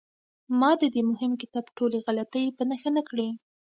ما د دې مهم کتاب ټولې غلطۍ په نښه نه کړې.